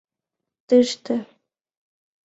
— Тыште!